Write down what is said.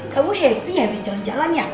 kamu happy habis jalan jalan ya